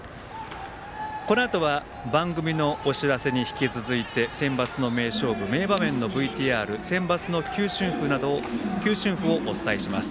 このあとは番組のお知らせに引き続いてセンバツの名勝負名場面のＶＴＲセンバツの球春譜をお伝えします。